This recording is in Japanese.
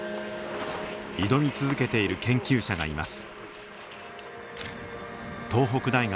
挑み続けている研究者がいます。